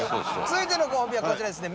続いてのご褒美はこちらですね。